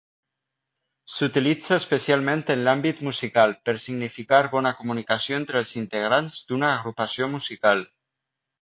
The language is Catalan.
S'utilitza especialment en l'àmbit musical per significar bona comunicació entre els integrants d'una agrupació musical.